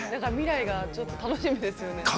未来がちょっと楽しみですよね。